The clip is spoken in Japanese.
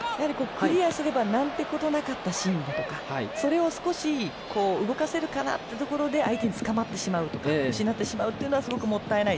クリアすれば何てことなかったシーンとかそれを、少し動かせるかなっていうところで相手につかまってしまうとか失ってしまうっていうのはすごくもったいない。